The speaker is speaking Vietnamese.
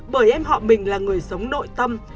bởi em họ mình là người sống nội tâm